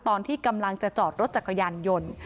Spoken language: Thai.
ตอนที่กำลังจะจอดรถจักรยานยนต์